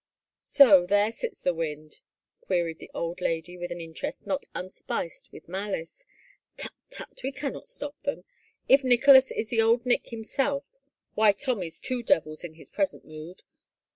" So there sits the wind ?" queried the old lady with an interest not unspiced with malice. " Tut, tut, we can not stop them. If Nicholas is the old Nick himself, why Tom is two devils in his present mood.